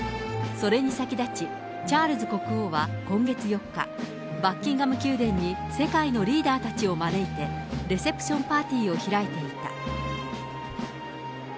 それに先立ち、バッキンガム宮殿に世界のリーダーたちを招いて、レセプションパーティーを開いていた。